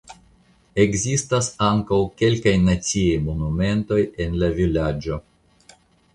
Ekzistas ankaŭ kelkaj naciaj monumentoj en la vilaĝo.